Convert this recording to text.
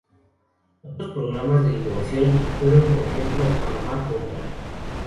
Otros programas de innovación fueron, por ejemplo: Panamá Compra.